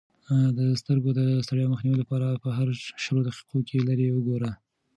د سترګو د ستړیا مخنیوي لپاره په هرو شلو دقیقو کې لیرې وګورئ.